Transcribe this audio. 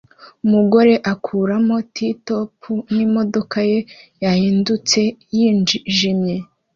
Umugore akuramo t-top yimodoka ye yahindutse yijimye